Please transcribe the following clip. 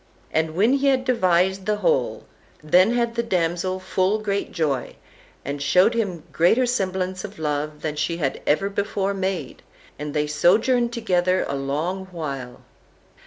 And when he had devised the whole, then had the damsel full great joy, and showed him greater semblance of love than she had ever before made, and they sojourned together a long while.